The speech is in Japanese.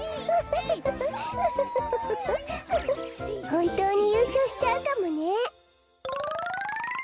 ほんとうにゆうしょうしちゃうかもね。